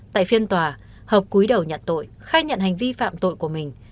tại phiên tòa hợp quý đầu nhận tội khai nhận hành vi phạm tội của mình